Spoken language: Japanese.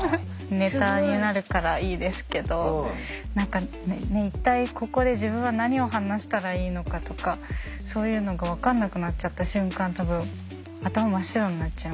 ネタになるからいいですけど何か一体ここで自分は何を話したらいいのかとかそういうのが分かんなくなっちゃった瞬間多分頭真っ白になっちゃいますよね。